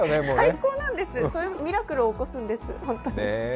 最高なんです、そういうミラクルを起こすんです、ホントに。